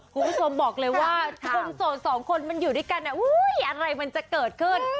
คุณสวมบอกเลยว่าคนโสด๒คนมันอยู่ด้วยกันอุ้ยอะไรมันเกิดขึ้น